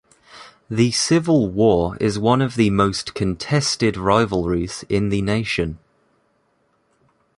The Civil War is one of the most contested rivalries in the nation.